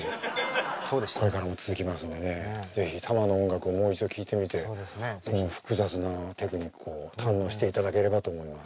これからも続きますんでね是非たまの音楽をもう一度聴いてみて複雑なテクニックを堪能していただければと思います。